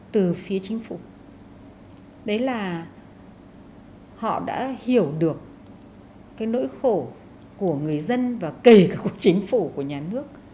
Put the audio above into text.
từ phía chính phủ họ đã hiểu được nỗi khổ của người dân và kể cả của chính phủ của nhà nước